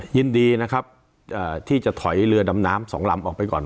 ยินดีนะครับที่จะถอยเรือดำน้ำสองลำออกไปก่อน